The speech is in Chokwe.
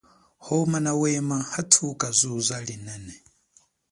Homa nawema hathuka zuza linene.